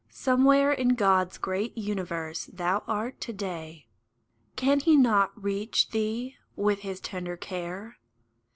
Somewhere In God's great universe thou art to day : Can He not reach thee with His tender care